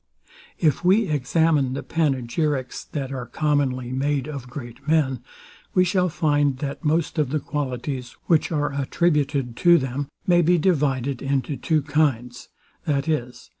If we examine the panegyrics that are commonly made of great men, we shall find, that most of the qualities, which are attributed to them, may be divided into two kinds, viz.